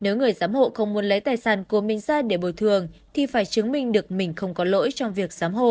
nếu người giám hộ không muốn lấy tài sản của mình ra để bồi thường thì phải chứng minh được mình không có lỗi trong việc giám hộ